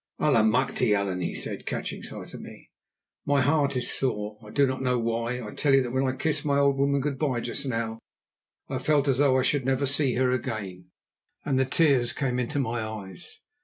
"Allemachte! Allan," he said, catching sight of me, "my heart is sore; I do not know why. I tell you that when I kissed my old woman good bye just now I felt as though I should never see her again, and the tears came into my eyes.